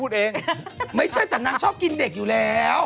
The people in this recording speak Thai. แรงนะผมจะบอกให้เอ็ะ